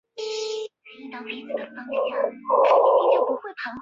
蒙特雷阿莱苏斯人口变化图示